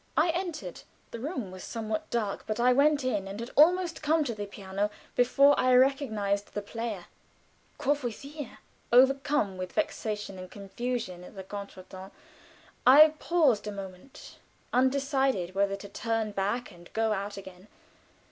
I entered. The room was somewhat dark, but I went in and had almost come to the piano before I recognized the player Courvoisier. Overcome with vexation and confusion at the contretemps, I paused a moment, undecided whether to turn back and go out again.